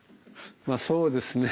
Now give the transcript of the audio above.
まあそうですね